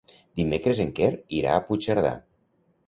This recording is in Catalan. Dimecres en Quer irà a Puigcerdà.